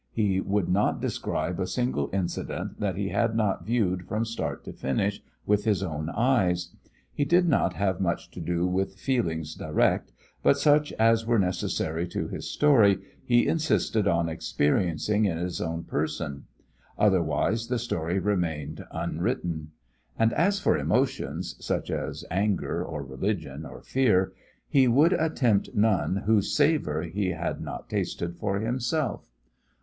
He would not describe a single incident that he had not viewed from start to finish with his own eyes. He did not have much to do with feelings direct, but such as were necessary to his story he insisted on experiencing in his own person; otherwise the story remained unwritten. And as for emotions such as anger, or religion, or fear he would attempt none whose savour he had not tasted for himself.